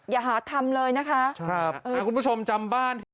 อย่าหาทำเลยนะคะครับเออคุณผู้ชมจำบ้านสิ